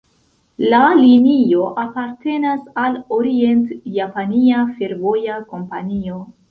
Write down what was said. La linio apartenas al Orient-Japania Fervoja Kompanio.